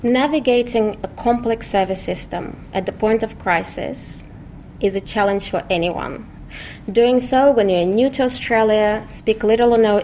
bagaimana cara untuk membuat budaya tersebut